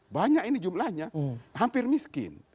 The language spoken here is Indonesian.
banyak ini jumlahnya hampir miskin